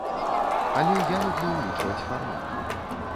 Але я люблю ўлічваць фармат.